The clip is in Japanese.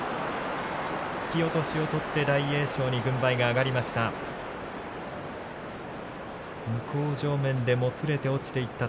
突き落としをとって大栄翔に軍配が上がりました。